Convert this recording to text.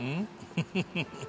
フフフフ